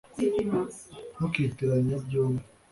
ntukitiranya byombi